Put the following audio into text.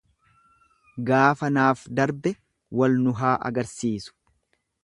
Gaafa naaf darbe wal nu haa agarsiisu.